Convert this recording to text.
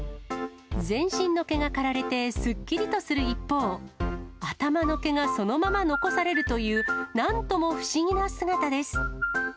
全身の毛が刈られて、すっきりとする一方、頭の毛がそのまま残されるという、なんとも不思議な姿です。